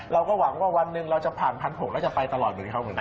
เราก็หวังว่าวันหนึ่งเราจะผ่าน๑๖๐๐แล้วจะไปตลอดเหมือนเขาเหมือนกัน